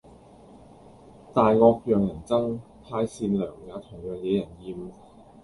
大惡讓人憎，太善良也同樣惹人厭